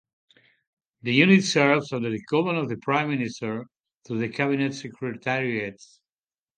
The unit serves under the command of the prime minister through the Cabinet Secretariat.